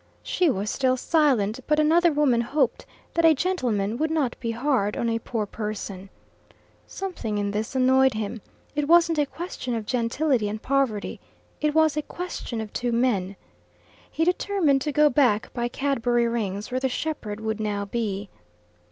She was still silent, but another woman hoped that a gentleman would not be hard on a poor person. Something in this annoyed him; it wasn't a question of gentility and poverty it was a question of two men. He determined to go back by Cadbury Rings where the shepherd would now be.